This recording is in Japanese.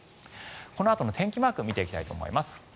このあとの天気マーク見ていきたいと思います。